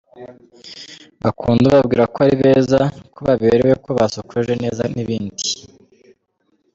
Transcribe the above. Bakunda ubabwira ko ari beza, ko baberewe, ko basokoje neza n'ibindi.